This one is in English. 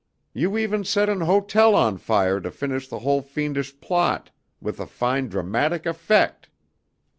You even set an hotel on fire to finish the whole fiendish plot with a fine dramatic effect!"